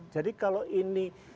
jadi kalau ini